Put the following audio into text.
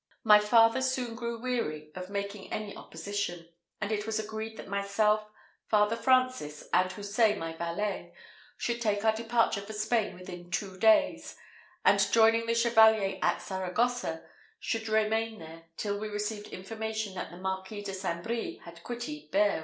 My father soon grew weary of making any opposition; and it was agreed that myself, Father Francis, and Houssaye, my valet, should take our departure for Spain within two days, and, joining the chevalier at Saragossa, should remain there till we received information that the Marquis de St. Brie had quitted Bearn.